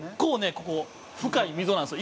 ここ、深い溝なんですよ。